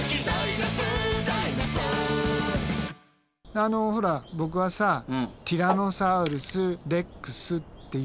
あのほらボクはさティラノサウルス・レックスっていうでしょ。